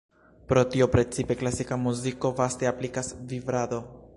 Pro tio precipe klasika muziko vaste aplikas vibrado.